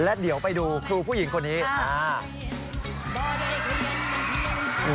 แล้วเดี๋ยวไปดูครูผู้หญิงคนนี้